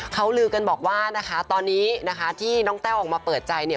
เขาลือกันบอกว่านะคะตอนนี้นะคะที่น้องแต้วออกมาเปิดใจเนี่ย